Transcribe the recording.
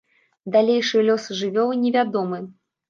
Далейшы лёс жывёлы невядомы.